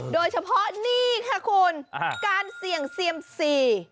โดยเฉพาะนี่ค่ะคุณการเสี่ยงเซียมซี